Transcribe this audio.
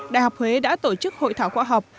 đại học huế đã tổ chức hội thảo khoa học